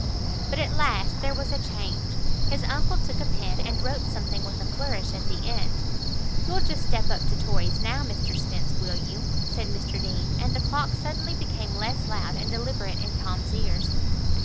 But at last there was a change; his uncle took a pen and wrote something with a flourish at the end. "You'll just step up to Torry's now, Mr Spence, will you?" said Mr Deane, and the clock suddenly became less loud and deliberate in Tom's ears.